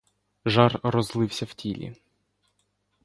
Жар розлився в тілі.